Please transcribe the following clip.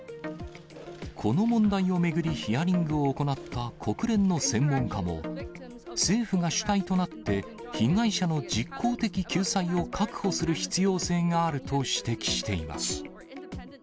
この問題を巡り、ヒアリングを行った国連の専門家も、政府が主体となって被害者の実効的救済を確保する必要性があると指摘しています。